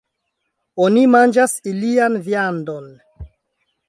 Oni manĝas ilian viandon.